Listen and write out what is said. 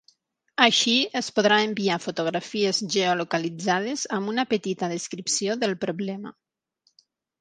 Així es podrà enviar fotografies geolocalitzades amb una petita descripció del problema.